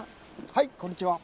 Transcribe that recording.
はいこんにちは。